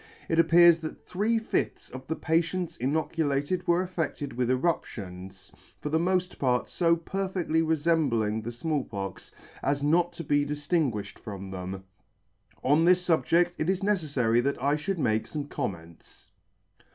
It appears that three fifths of the patients inoculated were affedted with eruptions, for the mod part fo perfectly refembling the Small Pox, as not to be diftingui'fhed from them. On this fubjed't it is neceffary that I fhould make fome comments.